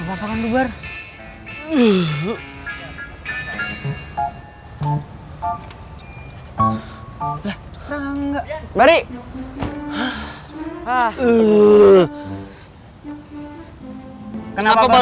pak udah pak kasih teman saya pak